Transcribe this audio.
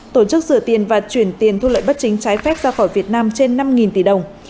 tổ chức rửa tiền và chuyển tiền thu lợi bất chính trái phép ra khỏi việt nam trên năm tỷ đồng